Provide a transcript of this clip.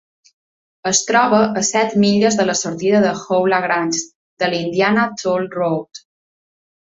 Es troba a set milles de la sortida de Howe-LaGrange de la Indiana Toll Road.